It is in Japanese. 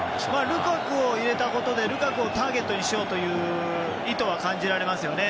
ルカクを入れたことでルカクをターゲットにしようという意図は感じますよね。